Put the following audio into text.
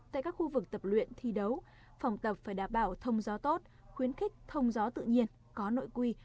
tại các khu vực tập luyện thi đấu phòng tập phải đảm bảo thông gió tốt khuyến khích thông gió tự nhiên có nội quy